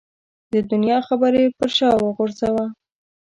د دنیا خبرې پر شا وغورځوه.